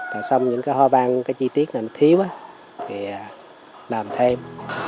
rồi xong những cái hoa văn cái chi tiết này nó thiếu thì làm thêm